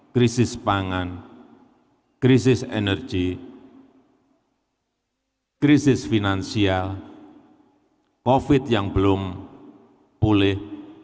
krisis pangan krisis energi krisis finansial covid yang belum pulih